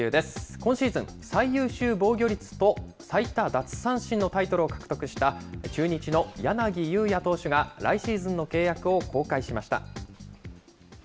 今シーズン、最優秀防御率と最多奪三振のタイトルを獲得した、中日の柳裕也投手が来シーズンの契約を更改しました。